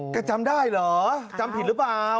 จำได้เหรอจำผิดหรือเปล่า